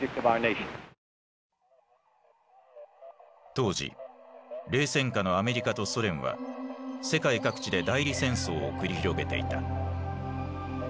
当時冷戦下のアメリカとソ連は世界各地で代理戦争を繰り広げていた。